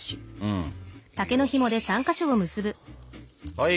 はい。